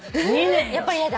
やっぱりやだ？